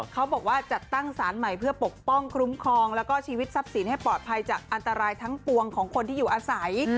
เขาบอกว่าจัดตั้งสารใหม่เพื่อปกป้องคุ้มครองแล้วก็ชีวิตทรัพย์สินให้ปลอดภัยจากอันตรายทั้งปวงของคนที่อยู่อาศัย